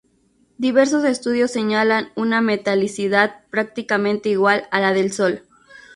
Diversos estudios señalan una metalicidad prácticamente igual a la del Sol.